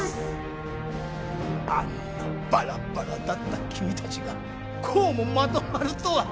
あんなバラバラだった君たちがこうもまとまるとは。